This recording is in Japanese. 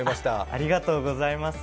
ありがとうございます。